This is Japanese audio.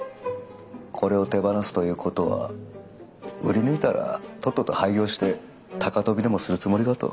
これを手放すということは売り抜いたらとっとと廃業して高飛びでもするつもりかと。